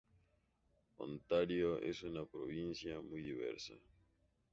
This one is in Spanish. Ontario es una provincia muy diversa.